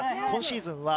昨シーズン